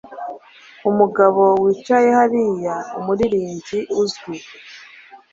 Umugabo wicaye hariya umuririmbyi uzwi.